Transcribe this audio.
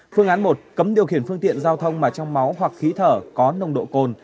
phương án một cấm điều khiển phương tiện giao thông mà trong máu hoặc khí thở có nồng độ cồn